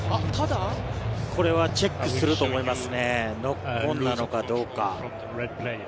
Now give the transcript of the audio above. これはチェックすると思いますね、ノックオンなのかどうか。